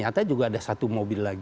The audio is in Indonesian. ya ada salah satu lancar